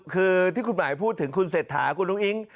คือที่คุณหมายพูดถึงคุณเศรษฐาคุณอุ้งอิ๊ง